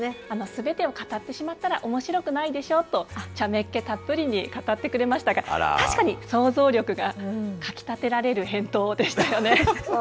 すべてを語ってしまったらおもしろくないでしょと、ちゃめっ気たっぷりに語ってくれましたが、確かに、想像力がかきたてられる返答でしたよね。